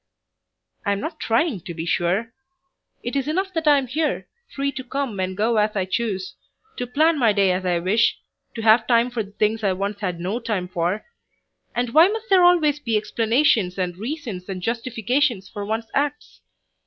I am not trying to be sure. It is enough that I am here, free to come and go as I choose, to plan my day as I wish, to have time for the things I once had no time for, and why must there always be explanations and reasons and justifications for one's acts?